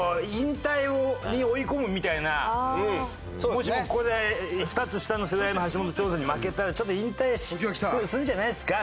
もしもここで２つ下の世代の橋本蝶野に負けたら引退するんじゃないっすか？